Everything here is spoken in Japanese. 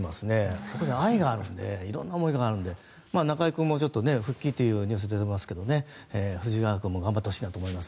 そこに愛があるのでいろんな思いがあるので中居君も復帰というニュースも出てますが藤ヶ谷君も頑張ってほしいなと思います。